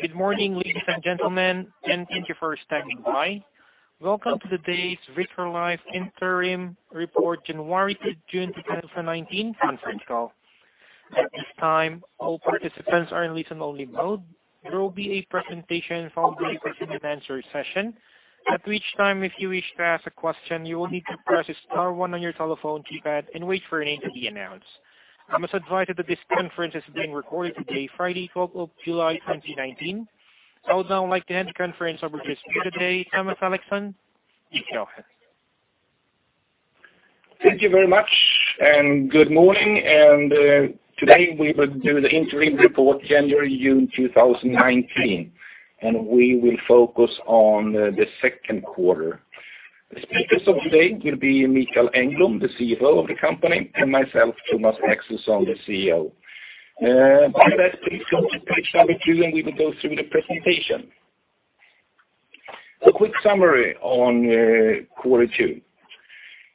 Good morning, ladies and gentlemen, and thank you for standing by. Welcome to today's Vitrolife interim report January to June 2019 conference call. At this time, all participants are in listen-only mode. There will be a presentation followed by a question-and-answer session. At which time, if you wish to ask a question, you will need to press star one on your telephone keypad and wait for your name to be announced. I must advise that this conference is being recorded today, Friday, 12 July 2019. I would now like to hand the conference over to the CEO today, Thomas Axelsson. You can go ahead. Thank you very much. Today we will do the interim report January to June 2019, and we will focus on the second quarter. The speakers of today will be Mikael Engblom, the CFO of the company, and myself, Thomas Axelsson, the CEO. With that, please go to page number two, and we will go through the presentation. A quick summary on quarter two.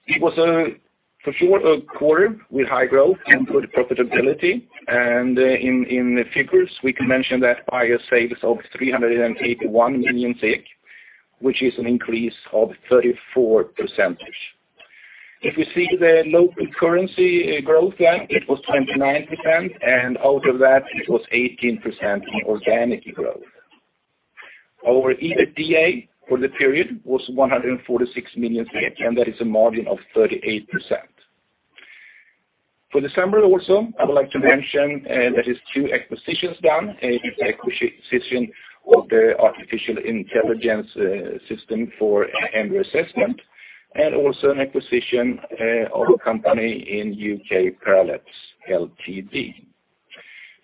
It was a fourth quarter with high growth and good profitability. In the figures, we can mention that higher sales of 381 million, which is an increase of 34%. If you see the local currency growth there, it was 29%, and out of that, it was 18% in organic growth. Our EBITDA for the period was 146 million, and that is a margin of 38%. For the summary also, I would like to mention that is two acquisitions done, an acquisition of the artificial intelligence system for embryo assessment, and also an acquisition of a company in U.K., Parallabs Ltd.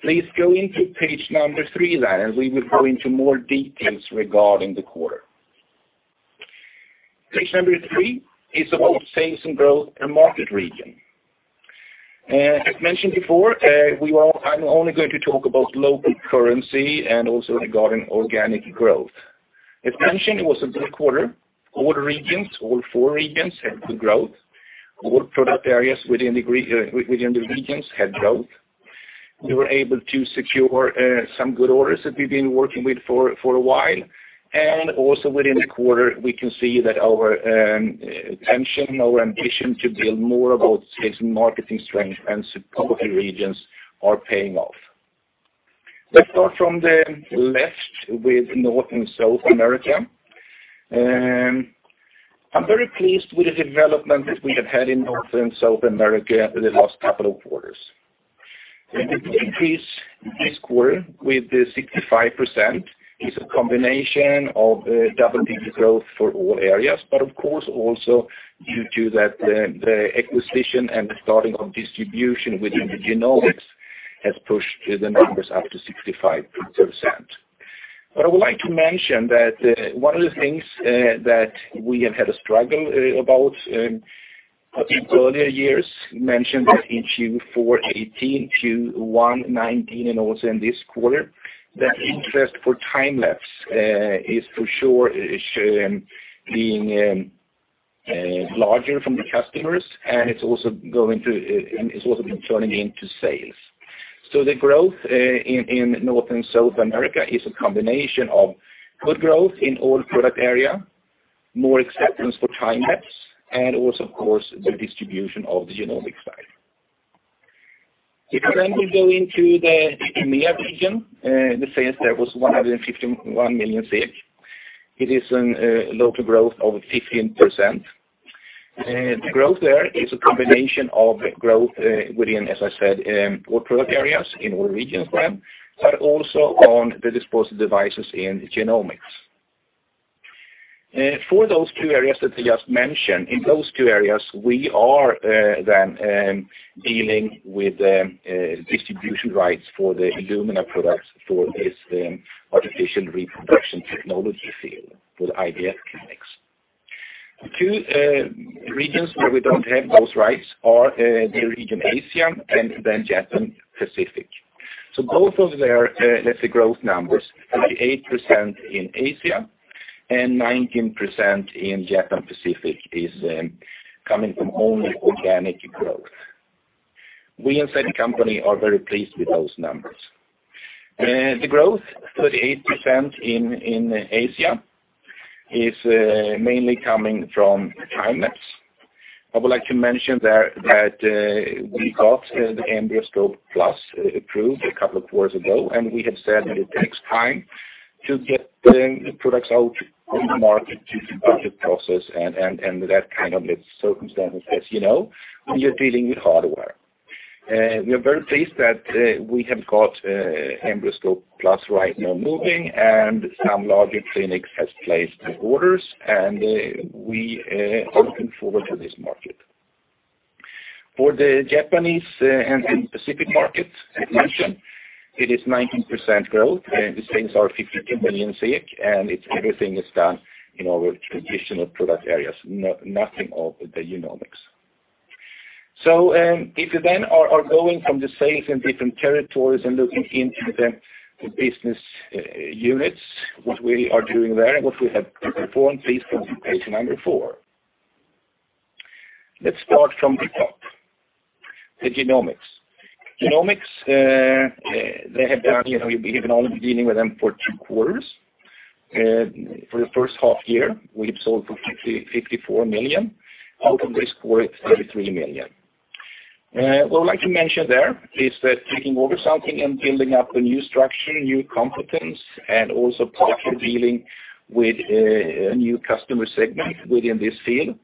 Please go into page three there, and we will go into more details regarding the quarter. Page three is about sales and growth and market region. As mentioned before, I'm only going to talk about local currency and also regarding organic growth. As mentioned, it was a good quarter. All regions, all four regions, had good growth. All product areas within the regions had growth. We were able to secure some good orders that we've been working with for a while. Also within the quarter, we can see that our attention, our ambition to build more about sales and marketing strength in some of the regions are paying off. Let's start from the left with North and South America. I'm very pleased with the development that we have had in North and South America for the last couple of quarters. The increase this quarter with the 65% is a combination of double-digit growth for all areas, but of course, also due to the acquisition and the starting of distribution within the Genomics has pushed the numbers up to 65%. I would like to mention that one of the things that we have had a struggle about in earlier years, mentioned in Q4 2018, Q1 2019, and also in this quarter, that interest for Time-lapse is for sure being larger from the customers, and it's also been turning into sales. The growth in North and South America is a combination of good growth in all product area, more acceptance for time-lapse, and also, of course, the distribution of the Genomics side. If you will go into the EMEA region, the sales there was 151 million. It is a local growth of 15%. The growth there is a combination of growth within, as I said, all product areas in all regions there, but also on the disposable devices in Genomics. For those two areas that I just mentioned, in those two areas, we are dealing with distribution rights for the Illumina products for this artificial reproduction technology field for IVF clinics. The two regions where we don't have those rights are the region Asia and Japan Pacific. Both of their, let's say growth numbers, 38% in Asia and 19% in Japan Pacific is coming from only organic growth. We as a company are very pleased with those numbers. The growth, 38% in Asia, is mainly coming from time-lapse. I would like to mention there that we got the EmbryoScope+ approved a couple of quarters ago, and we have said that it takes time to get the products out in the market due to budget process and that kind of circumstances, as you know, when you're dealing with hardware. We are very pleased that we have got EmbryoScope+ right now moving and some larger clinics has placed orders, and we are looking forward to this market. For the Japanese and Pacific markets, as mentioned, it is 19% growth, and the sales are 52 million, and everything is done in our traditional product areas, nothing of the Genomics. If you are going from the sales in different territories and looking into the business units, what we are doing there, what we have performed, please go to page number four. Let's start from the top, the Genomics. Genomics, we have been only dealing with them for two quarters. For the first half year, we have sold for 54 million. Out of this quarter, 33 million. What I'd like to mention there is that taking over something and building up a new structure, new competence, and also partly dealing with a new customer segment within this field,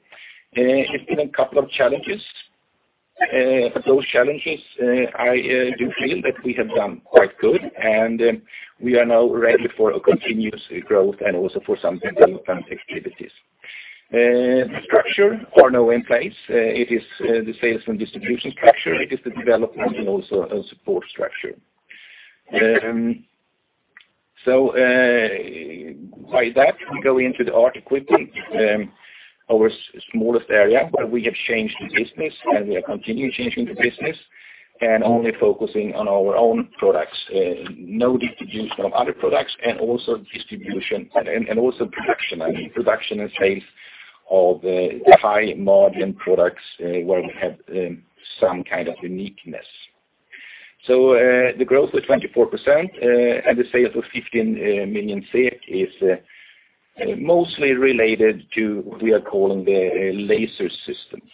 it's been a couple of challenges. Those challenges, I do feel that we have done quite good, and we are now ready for a continuous growth and also for some development activities. The structure are now in place. It is the sales and distribution structure. It is the development and also a support structure. By that, we go into the ART equipment, our smallest area, where we have changed the business, and we are continuing changing the business and only focusing on our own products, no distribution of other products and also production. I mean, production and sales of the high-margin products, where we have some kind of uniqueness. The growth was 24%, and the sales of 15 million SEK is mostly related to what we are calling the laser systems.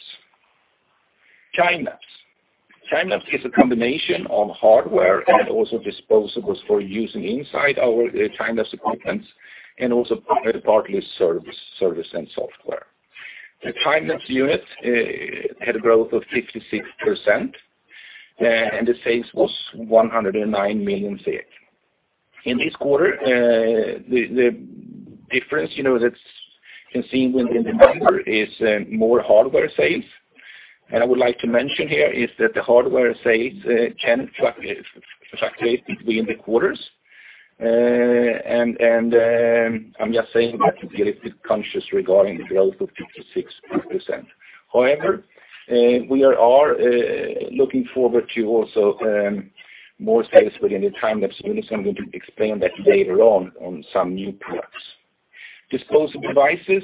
Time-lapse. Time-lapse is a combination of hardware and also disposables for using inside our time-lapse equipment and also partly service and software. The time-lapse units had a growth of 56%, and the sales were 109 million. In this quarter, the difference that's seen in the number is more hardware sales. I would like to mention here is that the hardware sales can fluctuate between the quarters, and I'm just saying that to be a bit conscious regarding the growth of 56%. We are looking forward to also more sales within the Time-lapse units. I'm going to explain that later on some new products. Disposable devices.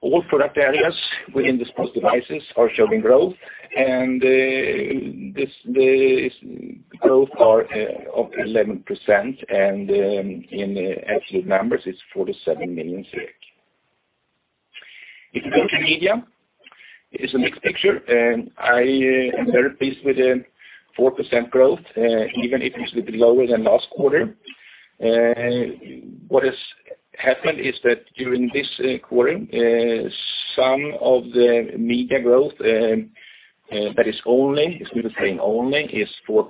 All product areas within disposable devices are showing growth. This growth is of 11%, and in absolute numbers, it's 47 million. If you go to media, it's a mixed picture, and I am very pleased with the 4% growth, even if it's a bit lower than last quarter. What has happened is that during this quarter, some of the media growth that is only, it's good to say only, is 4%,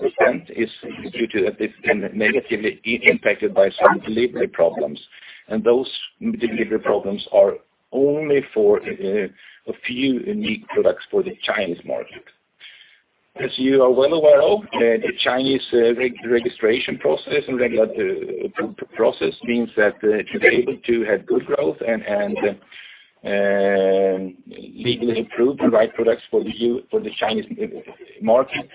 is due to it has been negatively impacted by some delivery problems. Those delivery problems are only for a few unique products for the Chinese market. You are well aware of, the Chinese registration process and regulatory process means that to be able to have good growth and legally approve the right products for the Chinese market,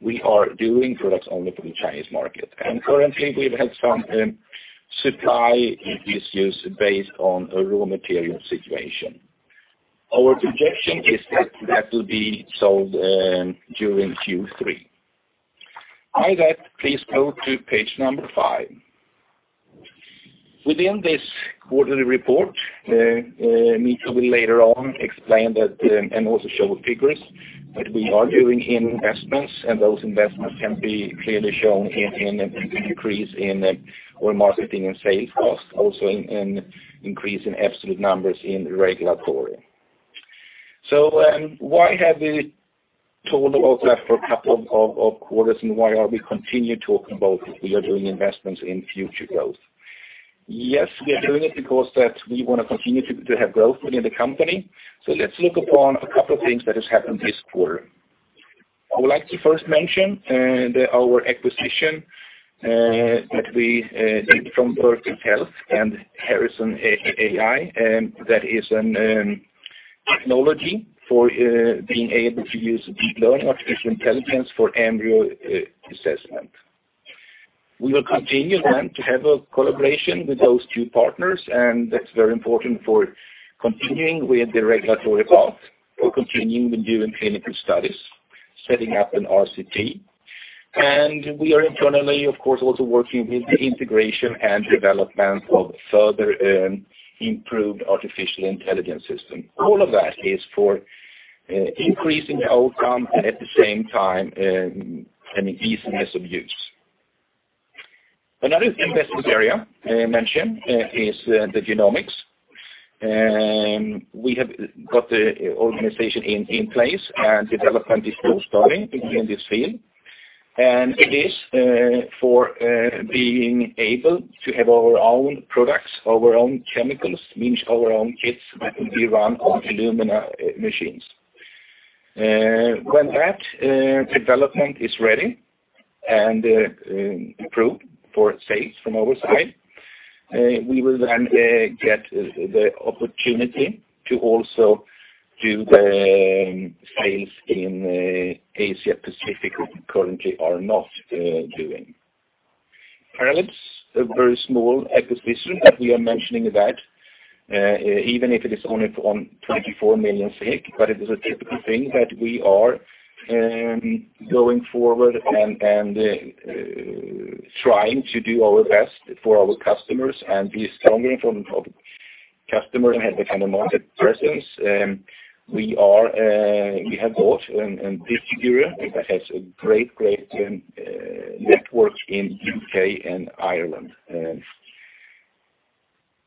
we are doing products only for the Chinese market. Currently, we've had some supply issues based on a raw material situation. Our projection is that that will be sold during Q3. By that, please go to page number five. Within this quarterly report, Mikael will later on explain that and also show figures that we are doing investments, and those investments can be clearly shown in the increase in our marketing and sales cost, also in increase in absolute numbers in regulatory. Why have we talked about that for a couple of quarters, and why are we continuing talking about we are doing investments in future growth? We are doing it because we want to continue to have growth within the company. Let's look upon a couple of things that has happened this quarter. I would like to first mention our acquisition that we did from Virtus Health and Harrison.ai, and that is a technology for being able to use deep learning artificial intelligence for embryo assessment. We will continue then to have a collaboration with those two partners, and that's very important for continuing with the regulatory path or continuing with doing clinical studies, setting up an RCT. We are internally, of course, also working with the integration and development of further improved artificial intelligence system. All of that is for increasing outcome at the same time and easiness of use. Another investment area mentioned is the Genomics. We have got the organization in place, and development is still starting in this field. It is for being able to have our own products, our own chemicals, means our own kits that will be run on Illumina machines. When that development is ready and approved for sales from our side, we will then get the opportunity to also do the sales in Asia Pacific, where we currently are not doing. Parallabs, a very small acquisition that we are mentioning, even if it is only on 24 million, but it is a typical thing that we are going forward and trying to do our best for our customers and be stronger from a customer and market presence. We have bought [Distiguru] that has a great network in U.K. and Ireland.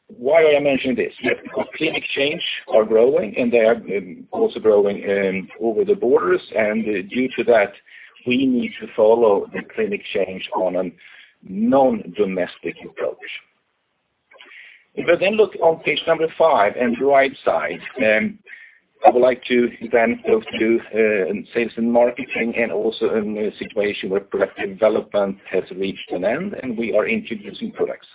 Why I mention this? Because clinic chains are growing and they are also growing over the borders. Due to that, we need to follow the clinic chains on a non-domestic approach. If we then look on page number five and the right side, I would like to then go to sales and marketing and also a situation where product development has reached an end and we are introducing products.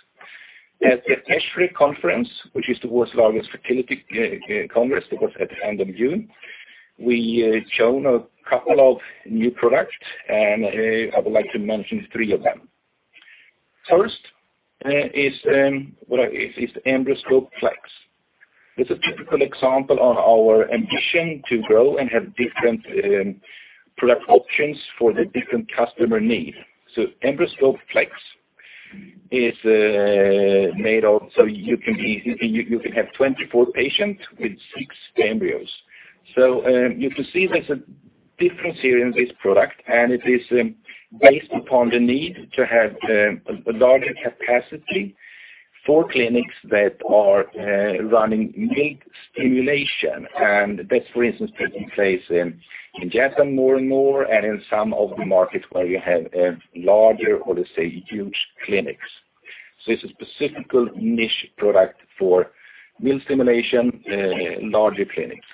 At the ESHRE conference, which is the world's largest fertility congress that was at the end of June, we shown a couple of new products, and I would like to mention three of them. First is EmbryoScope Flex. It's a typical example of our ambition to grow and have different product options for the different customer needs. So EmbryoScope Flex is made so you can have 24 patients with six embryos. So you can see there's a difference here in this product, and it is based upon the need to have a larger capacity for clinics that are running mild stimulation. That's, for instance, taking place in Japan more and more and in some of the markets where you have larger or let's say, huge clinics. So it's a specific niche product for mild stimulation, larger clinics.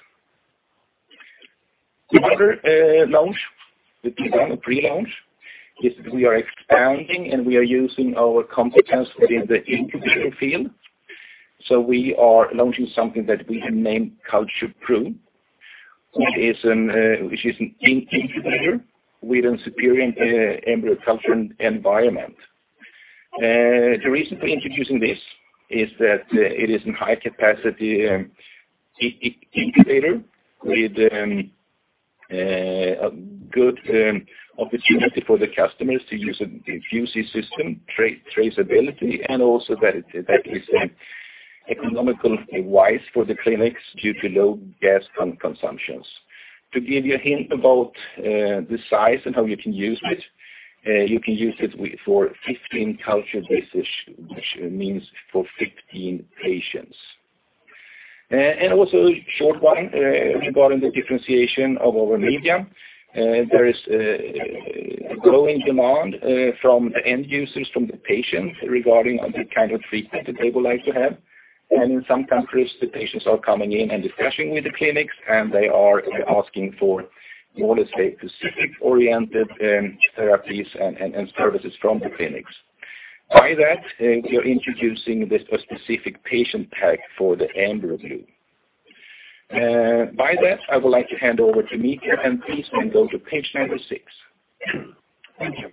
The other launch, the pre-launch, is we are expanding and we are using our competence within the incubator field. So we are launching something that we have named CulturePro, which is an incubator with a superior embryo culture environment. The reason for introducing this is that it is in high capacity incubator with a good opportunity for the customers to use an eWitness system traceability and also that it is economical-wise for the clinics due to low gas consumptions. To give you a hint about the size and how you can use it, you can use it for 15 culture dishes, which means for 15 patients. Also a short one regarding the differentiation of our media. There is a growing demand from the end users, from the patients regarding the kind of treatment that they would like to have. And in some countries, the patients are coming in and discussing with the clinics, and they are asking for specific-oriented therapies and services from the clinics. By that, we are introducing this specific patient pack for the EmbryoGlue. By that, I would like to hand over to Mikael, and please then go to page number six. Thank you.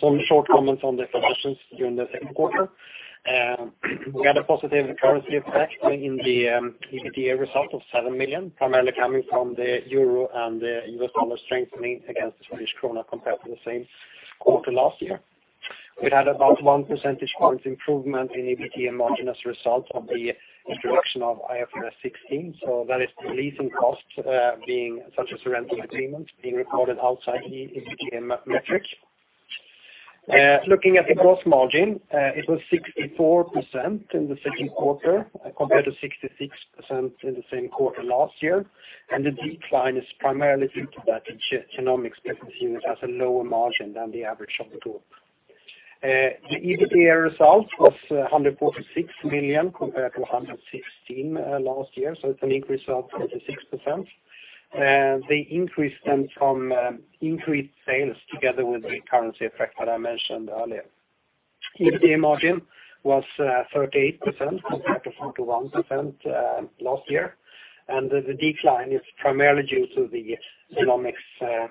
Some short comments on the financials during the second quarter. We had a positive currency effect in the EBITDA result of 7 million, primarily coming from the euro and the U.S. dollar strengthening against the Swedish krona compared to the same quarter last year. We had about one percentage point improvement in EBITDA margin as a result of the introduction of IFRS 16. That is the leasing costs such as rental agreement being recorded outside the EBITDA metric. Looking at the gross margin, it was 64% in the second quarter compared to 66% in the same quarter last year. The decline is primarily due to that Genomics business unit has a lower margin than the average of the group. The EBITDA result was 146 million compared to 116 million last year. It is an increase of 26%. The increase stems from increased sales together with the currency effect that I mentioned earlier. EBITDA margin was 38% compared to 41% last year, and the decline is primarily due to the Genomics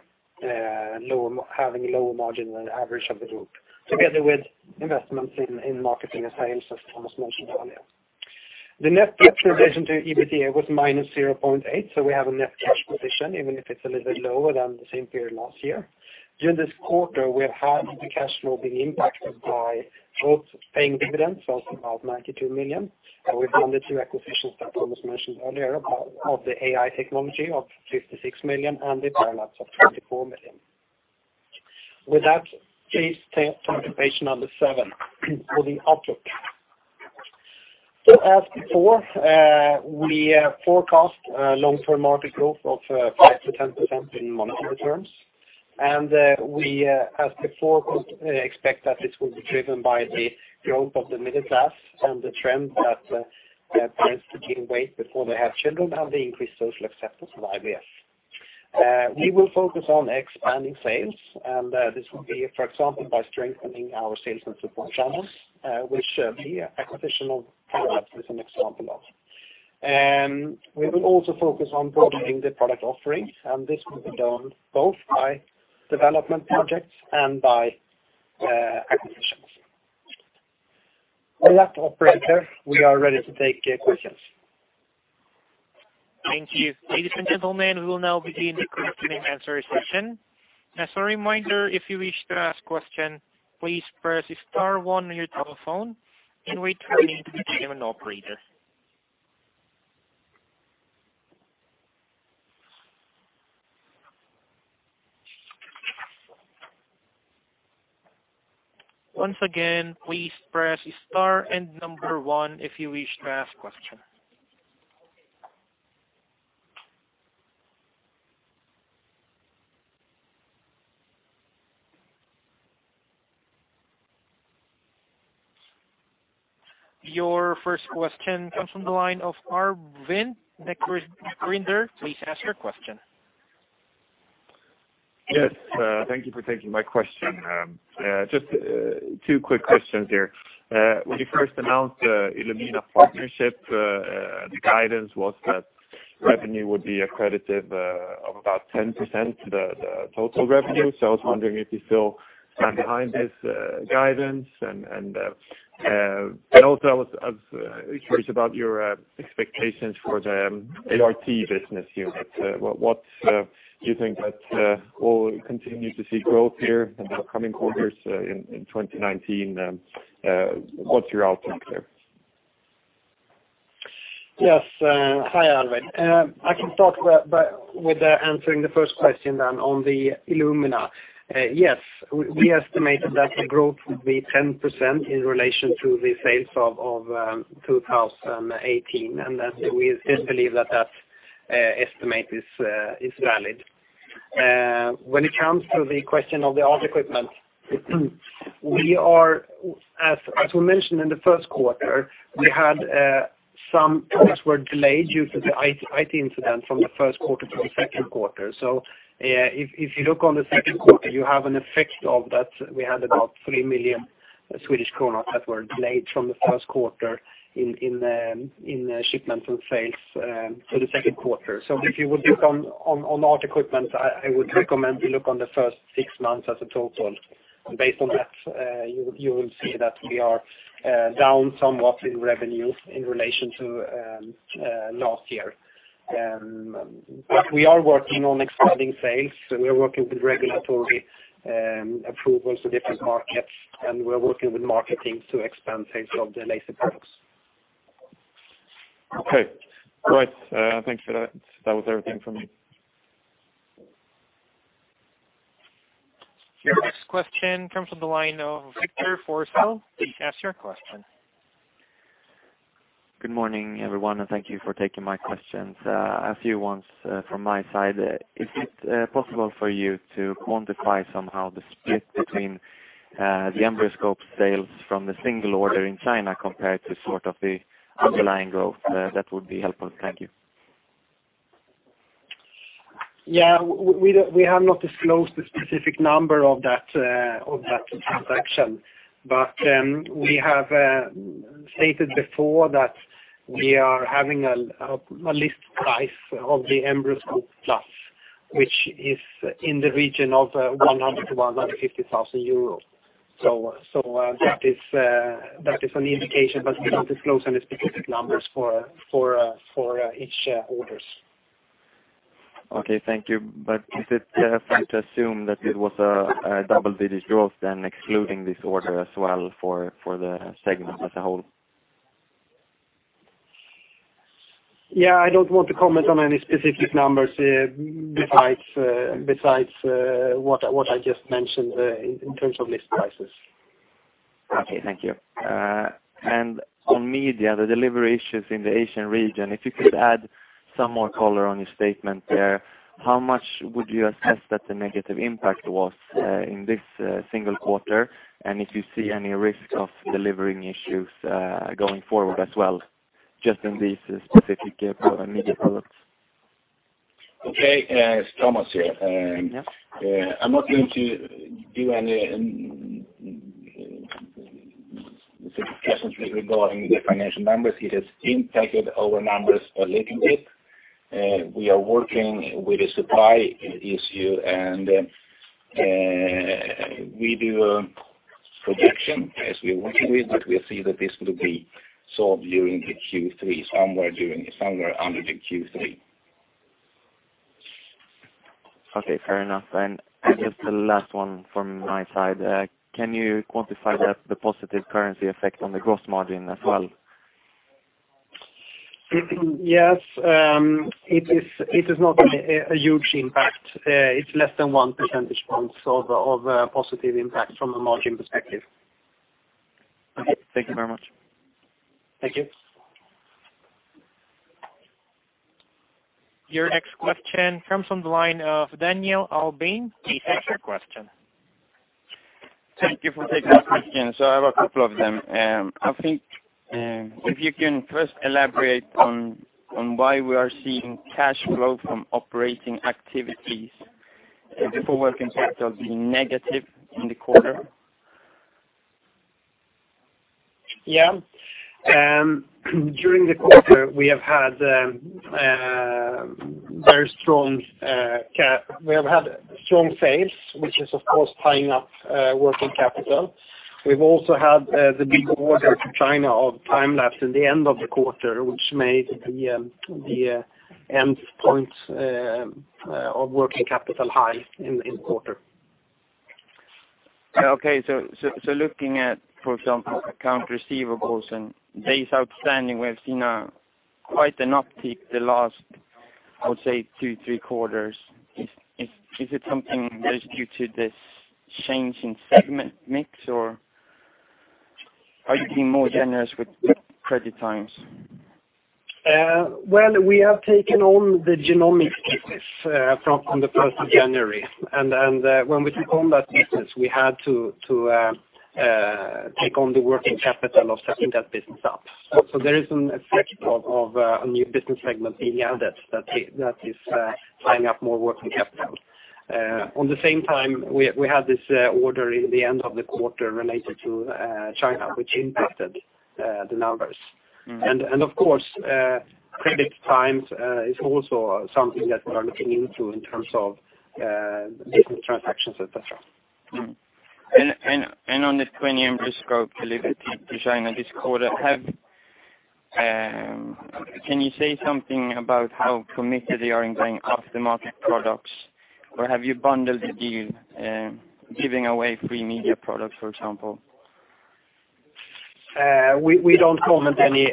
having a lower margin than average of the group, together with investments in marketing and sales as Thomas mentioned earlier. The net debt in relation to EBITDA was -0.8, we have a net cash position, even if it is a little bit lower than the same period last year. During this quarter, we have had the cash flow being impacted by both paying dividends of about 92 million, and we have done the two acquisitions that Thomas mentioned earlier of the AI technology of 56 million and the Parallabs of 24 million. With that, please turn to page number seven for the outlook. As before, we forecast long-term market growth of 5%-10% in monetary terms. We, as before, expect that this will be driven by the growth of the middle class and the trend that patients are gaining weight before they have children and the increased social acceptance of IVF. We will focus on expanding sales, and this will be, for example, by strengthening our sales and support channels, which the acquisition of Parallabs is an example of. We will also focus on broadening the product offering, and this will be done both by development projects and by acquisitions. With that, operator, we are ready to take questions. Thank you. Ladies and gentlemen, we will now begin the question and answer session. As a reminder, if you wish to ask question, please press star one on your telephone and wait to be given an operator. Once again, please press star and number one if you wish to ask question. Your first question comes from the line of Ludvig Lundgren. Please ask your question. Yes. Thank you for taking my question. Just two quick questions here. When you first announced Illumina partnership, the guidance was that revenue would be accretive of about 10% the total revenue. I was wondering if you still stand behind this guidance and also I was curious about your expectations for the ART business unit. What do you think that we'll continue to see growth here in the upcoming quarters in 2019, what's your outlook there? Yes. Hi, Ludvig. I can start with answering the first question then on the Illumina. Yes, we estimated that the growth would be 10% in relation to the sales of 2018, and that we still believe that that estimate is valid. When it comes to the question of the ART equipment, as we mentioned in the first quarter, we had some orders were delayed due to the IT incident from the first quarter to the second quarter. If you look on the second quarter, you have an an effect of that. We had about 3 million Swedish kronor that were delayed from the first quarter in shipments and sales for the second quarter. If you would look on ART equipment, I would recommend you look on the first six months as a total. Based on that, you will see that we are down somewhat in revenue in relation to last year. We are working on expanding sales. We are working with regulatory approvals to different markets, and we're working with market teams to expand sales of the laser products. Okay. All right. Thank you for that. That was everything from me. Your next question comes from the line of Victor Forssell. Please ask your question. Good morning, everyone, and thank you for taking my questions. A few ones from my side. Is it possible for you to quantify somehow the split between the EmbryoScope sales from the single order in China compared to sort of the underlying growth? That would be helpful. Thank you. Yeah. We have not disclosed the specific number of that transaction, we have stated before that we are having a list price of the EmbryoScope+ which is in the region of 100,000-150,000 euros. That is an indication, but we don't disclose any specific numbers for each orders. Okay. Thank you. Is it fair to assume that it was a double-digit growth then excluding this order as well for the segment as a whole? Yeah. I don't want to comment on any specific numbers besides what I just mentioned in terms of list prices. Okay. Thank you. On media, the delivery issues in the Asian region, if you could add some more color on your statement there, how much would you assess that the negative impact was in this single quarter? If you see any risk of delivering issues going forward as well, just in these specific media products. Okay. It's Thomas here. Yeah. I'm not going to do any specific questions regarding the financial numbers. It has impacted our numbers a little bit. We are working with the supply issue, and we do a projection as we work with, but we see that this will be solved during the Q3, somewhere under the Q3. Okay. Fair enough. Just the last one from my side. Can you quantify the positive currency effect on the gross margin as well? Yes. It is not a huge impact. It's less than one percentage points of positive impact from a margin perspective. Okay. Thank you very much. Thank you. Your next question comes from the line of Daniel Albin. Please ask your question. Thank you for taking my question. I have a couple of them. I think if you can first elaborate on why we are seeing cash flow from operating activities before working capital being negative in the quarter. During the quarter, we have had very strong sales, which is, of course, tying up working capital. We've also had the big order to China of time-lapse in the end of the quarter, which made the end point of working capital high in the quarter. Looking at, for example, account receivables and days outstanding, we have seen quite an uptick the last, I would say, two, three quarters. Is it something that is due to this change in segment mix, or are you being more generous with credit times? Well, we have taken on the Genomics business from the first of January. When we took on that business, we had to take on the working capital of setting that business up. There is an effect of a new business segment being added that is tying up more working capital. At the same time, we had this order in the end of the quarter related to China, which impacted the numbers. Of course, credit terms is also something that we are looking into in terms of business transactions, et cetera. On this 20 EmbryoScopes delivered to China this quarter, can you say something about how committed they are in buying after-market products? Have you bundled the deal, giving away free media products, for example? We don't comment any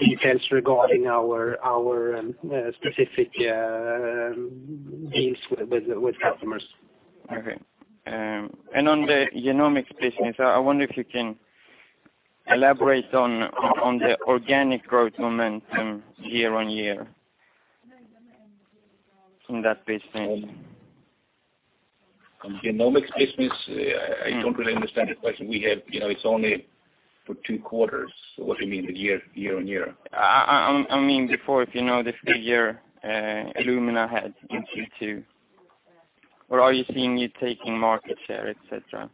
details regarding our specific deals with customers. Okay. On the Genomics business, I wonder if you can elaborate on the organic growth momentum year-on-year in that business. On Genomics business, I don't really understand the question. It's only for two quarters, so what do you mean with year-on-year? I mean, before, if you know the figure Illumina had in Q2. Are you seeing you taking market share, et cetera?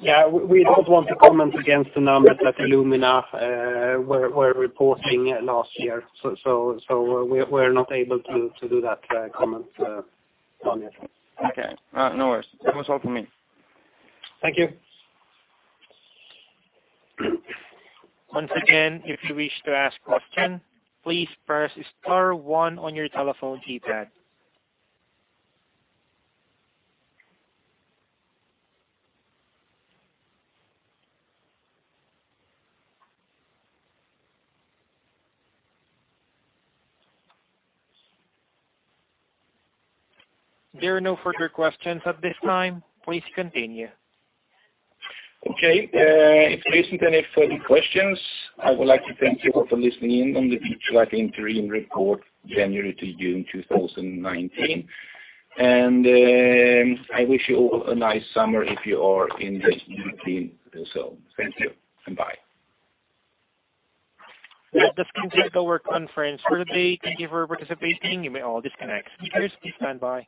Yeah. We don't want to comment against the numbers that Illumina were reporting last year. We're not able to do that comment on it. Okay. No worries. That was all for me. Thank you. Once again, if you wish to ask a question, please press star one on your telephone keypad. There are no further questions at this time. Please continue. Okay. If there isn't any further questions, I would like to thank you all for listening in on the Vitrolife interim report, January to June 2019. I wish you all a nice summer if you are in the northern zone. Thank you, and bye. That concludes our conference for the day. Thank you for participating. You may all disconnect. Speakers, please stand by.